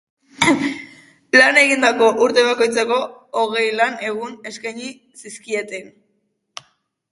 Lan egindako urte bakoitzeko hogei lan egun eskaini zizkieten.